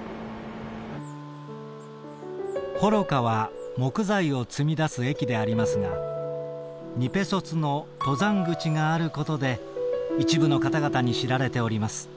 「幌加は木材を積み出す駅でありますがニペソツの登山口があることで一部の方々に知られております」。